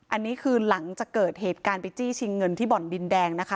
อันนี้คือหลังจากเกิดเหตุการณ์ไปจี้ชิงเงินที่บ่อนดินแดงนะคะ